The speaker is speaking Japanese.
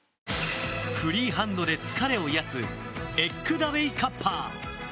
フリーハンドで疲れを癒やすエックダウェイカッパー。